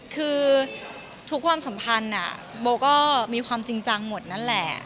คือทุกความสัมพันธ์โบก็มีความจริงจังหมดนั่นแหละ